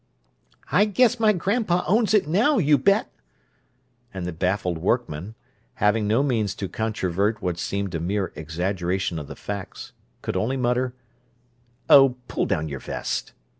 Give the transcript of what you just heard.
"I guess my grandpa owns it now, you bet!" And the baffled workman, having no means to controvert what seemed a mere exaggeration of the facts could only mutter "Oh, pull down your vest!"